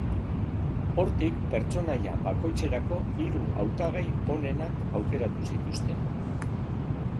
Hortik, pertsonaia bakoitzerako hiru hautagai onenak aukeratu zituzten.